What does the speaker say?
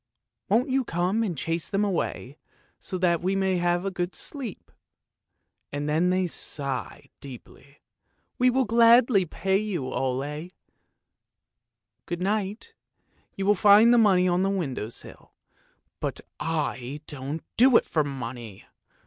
Won't you come and chase them away so that we may have a good sleep ?' and then they sigh deeply. ' We will gladly pay you, Ole; good night. You will find the money on the window sill.' But I don't do it for money!